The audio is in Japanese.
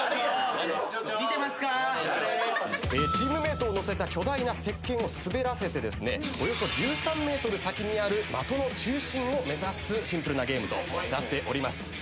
チームメートを乗せた巨大なせっけんを滑らせておよそ１３ｍ先にある的の中心を目指すシンプルなゲームとなっております。